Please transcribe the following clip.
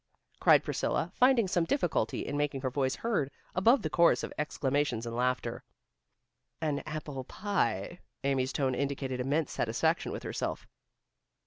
cried Priscilla, finding some difficulty in making her voice heard above the chorus of exclamations and laughter. "An apple pie." Amy's tone indicated immense satisfaction with herself.